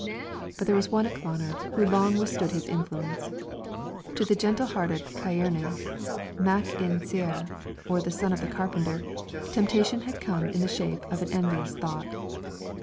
But there was one at Clonard who long withstood his influence. To the gentle hearted Ciaran "Mac In Tsair," or the son of the carpenter, temptation had come in the shape of an envious thought.